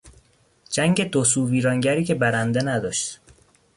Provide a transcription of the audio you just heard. جنگ دو سو ویرانگری که برنده نداشت